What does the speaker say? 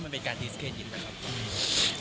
มันเป็นการที่สุดขนาดนี้นะครับ